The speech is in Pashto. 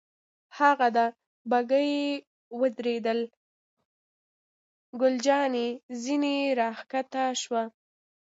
هاغه ده، بګۍ ودرېدل، ګل جانې ځنې را کښته شوه.